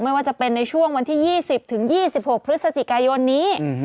ไม่ว่าจะเป็นในช่วงวันที่๒๐ถึง๒๖พฤศจิกายนนี้